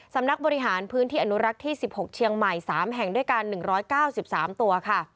สำนักบริหารพื้นที่อนุรักษ์ที่๑๖เชียงใหม่๓แห่งด้วยกัน๑๙๓ตัวค่ะ